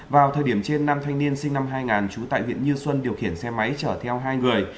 vào thời điểm trên năm thanh niên sinh năm hai nghìn trú tại huyện như xuân điều khiển xe máy chở theo hai người